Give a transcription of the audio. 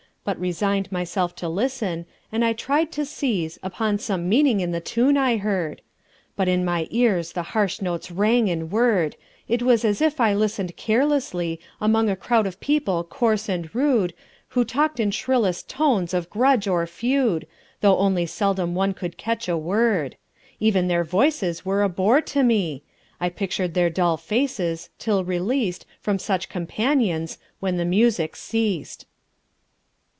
but resigned Myself to listen, and I tried to seize Upon some meaning in the tune I heard. But in my ears the harsh notes rang and whirred; It was as if I listened carelessly Among a crowd of people coarse and rude, Who talked in shrillest tones of grudge or feud, Though only seldom one could catch a word. Even their voices were a bore to me; I pictured their dull faces, till released From such companions, when the music ceased.